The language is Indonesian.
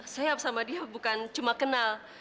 saya sama dia bukan cuma kenal